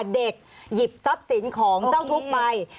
หยิบทรัพย์สินของเจ้าทุกข์ไป